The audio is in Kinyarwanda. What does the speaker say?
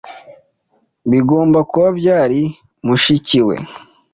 Bigomba kuba byari mushiki we.